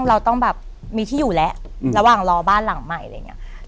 เราต้องแบบมีที่อยู่แล้วระหว่างรอบ้านหลังใหม่อะไรอย่างนี้